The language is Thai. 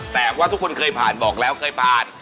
แต่ว่าทุกคนเคยผ่านบอกแล้วเคยผ่าน